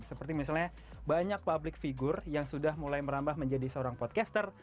seperti misalnya banyak public figure yang sudah mulai merambah menjadi seorang podcaster